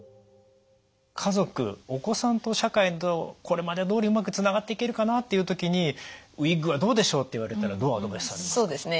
家族お子さんと社会とこれまでどおりうまくつながっていけるかなという時に「ウイッグはどうでしょう」と言われたらどうアドバイスされますか？